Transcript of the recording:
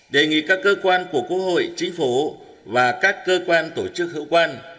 đề nghị các cơ quan của quốc hội chính phủ và các cơ quan tổ chức hữu quan